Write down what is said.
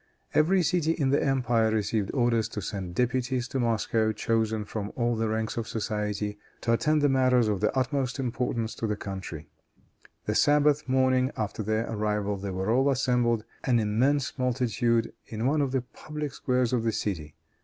Every city in the empire received orders to send deputies to Moscow, chosen from all the ranks of society, to attend to matters of the utmost importance to the country. The Sabbath morning after their arrival, they were all assembled, an immense multitude, in one of the public squares of the city.